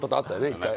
１回。